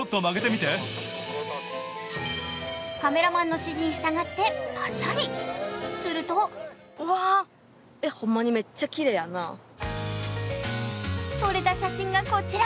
カメラマンの指示に従ってぱしゃり、すると撮れた写真がこちら。